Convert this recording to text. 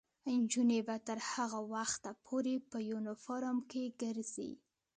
نجونې به تر هغه وخته پورې په یونیفورم کې ګرځي.